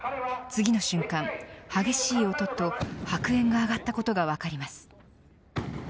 次の瞬間、激しい音と白煙が上がったことが分かります。